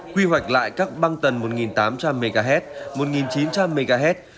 quy hoạch lại các băng tần một tám trăm linh mhz một chín trăm linh mhz